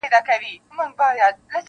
• له یخنیه چي څوک نه وي لړزېدلي -